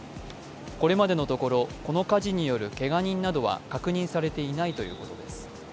これまでのところこの火事によるけが人などは確認されていないということです。